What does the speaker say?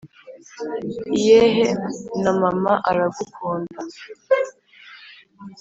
iyehee na mama aragukunda